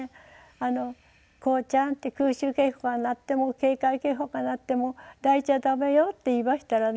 あの「孝ちゃん」って「空襲警報が鳴っても警戒警報が鳴っても泣いちゃダメよ」って言いましたらね